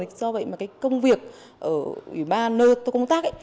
do vậy mà cái công việc ở ủy ban nơi tôi công tác ấy